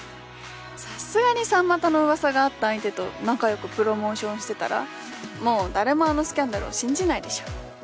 さすがに３股の噂があった相手と仲良くプロモーションしてたらもう誰もあのスキャンダルを信じないでしょ？